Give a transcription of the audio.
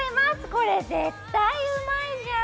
これ、絶対うまいじゃん！